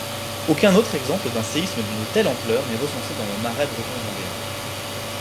Aucun autre exemple d'un séisme d'une telle ampleur n'est recensé dans le Marais breton-vendéen.